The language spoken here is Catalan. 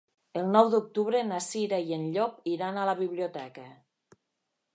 El nou d'octubre na Cira i en Llop iran a la biblioteca.